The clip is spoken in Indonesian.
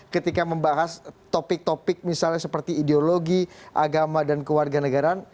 ketika membahas topik topik misalnya seperti ideologi agama dan keluarga negara